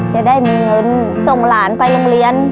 จะได้มีเงินส่งหลานไปโรงเรียน